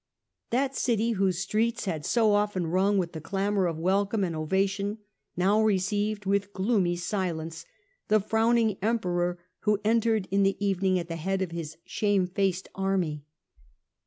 That city, whose streets had so often rung with the clamour of welcome and ovation, now received with gloomy silence the frowning Emperor who entered in the evening at the head of his shamefaced army.